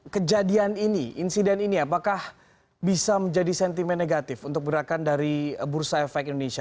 kejadian ini insiden ini apakah bisa menjadi sentimen negatif untuk gerakan dari bursa efek indonesia